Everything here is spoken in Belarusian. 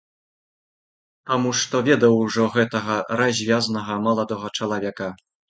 Таму, што ведаў ужо гэтага развязнага маладога чалавека.